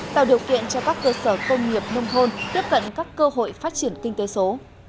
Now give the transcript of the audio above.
tạo điều kiện cho các cơ sở công nghiệp nông thôn tiếp cận các cơ hội phát triển kinh tế số